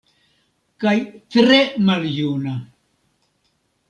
Kaj tre maljuna.